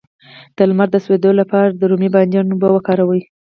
د لمر د سوځیدو لپاره د رومي بانجان اوبه وکاروئ